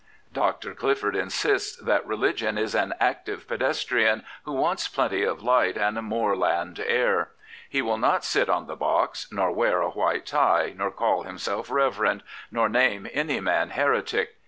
" Dr. Clifford insists that religion is an active pedestrian who wants plenty of light and moorland air. He will not sit on the box, nor wear a white tie, nor call himself Reverend," nor name any man heretic.